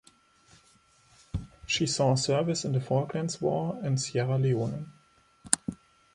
She saw service in the Falklands War and Sierra Leone.